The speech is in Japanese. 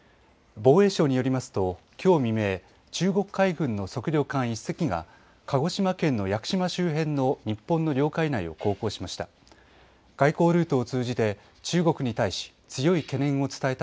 防衛省によりますときょう未明中国海軍の測量艦１隻が鹿児島県の屋久島周辺の日本の領海内を航行しました。